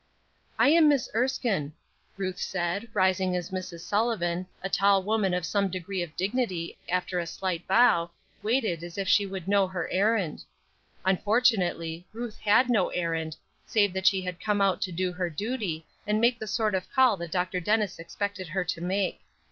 "I am Miss Erskine," Ruth said, rising as Mrs. Sullivan, a tall woman of some degree of dignity after a slight bow, waited as if she would know her errand. Unfortunately Ruth had no errand, save that she had come out to do her duty, and make the sort of call that Dr. Dennis expected her to make.